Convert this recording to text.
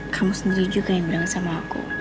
kamu sendiri juga yang bilang sama aku